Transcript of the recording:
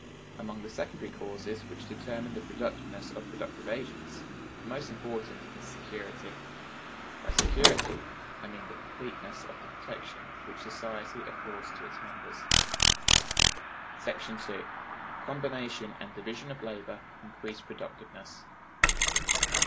Among the secondary causes which determine the productiveness of productive agents, the most important is Security. By security I mean the completeness of the protection which society affords to its members. § 2. Combination and Division of Labor Increase Productiveness.